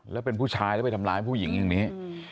แล้วเป็นผู้ชายแล้วไปทำร้ายผู้หญิงอย่างนี้